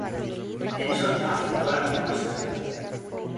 Henson aceptó la propuesta.